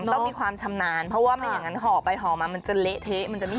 ต้องมีความชำนาญเพราะว่าไม่อย่างนั้นห่อไปห่อมามันจะเละเทะมันจะไม่